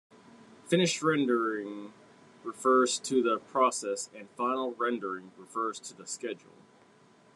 Finish rendering refers to the process, and final rendering refers to the schedule.